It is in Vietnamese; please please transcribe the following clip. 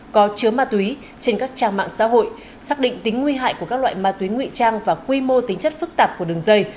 có chứa ma túy trên các trang mạng xã hội xác định tính nguy hại của các loại ma túy nguy trang và quy mô tính chất phức tạp của đường dây